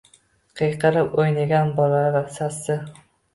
Qiyqirib o’ynagan bolalar sasi.